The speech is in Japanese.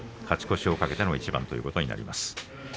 勝ち越しを懸けての一番ということになります。